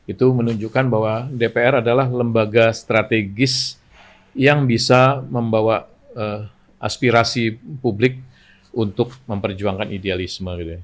itu menunjukkan bahwa dpr adalah lembaga strategis yang bisa membawa aspirasi publik untuk memperjuangkan idealisme